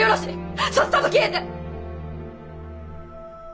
さっさと消えて！